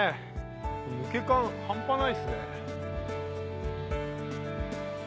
抜け感半端ないですね。